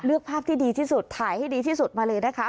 เลือกภาพที่ดีที่สุดถ่ายให้ดีที่สุดมาเลยนะคะ